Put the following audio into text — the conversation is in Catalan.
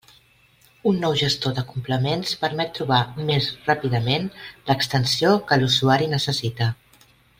Un nou gestor de complements permet trobar més ràpidament l'extensió que l'usuari necessita.